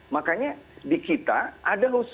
makanya di kita ada khusus